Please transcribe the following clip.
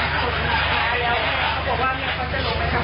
หลังจากนั้นแม่ก็ขอลงมาทำกับข้าว